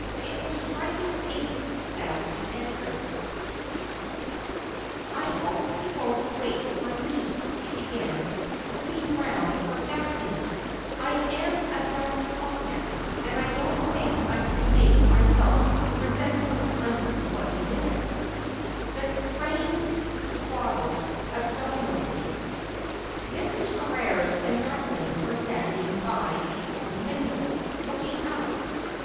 It was striking eight as he entered. */s there no Grace ? is there no Remedie ?' 367 ' I hope you won't wait for me,' he began, looking round for Daphne ;' I am a dusty object, and I don't think I can make myself presentable under twenty minutes. The train dawdled abominably.' Mrs. Ferrers and Madeline were standing by the open window, looking out.